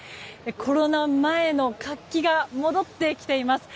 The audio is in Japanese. コロナ前の活気が戻ってきています。